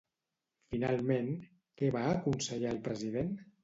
Finalment, què va aconsellar el president?